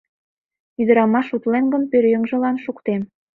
Ӱдырамаш утлен гын, пӧръеҥжылан шуктем!..